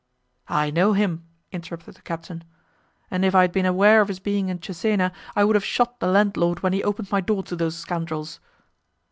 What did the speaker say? "I know him," interrupted the captain, "and if I had been aware of his being in Cesena, I would have shot the landlord when he opened my door to those scoundrels."